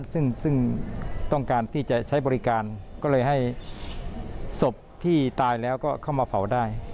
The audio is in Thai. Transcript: ซึ่งต้องการที่จะใช้บริการก็เลยให้ศพที่ตายแล้วก็เข้ามาเผาได้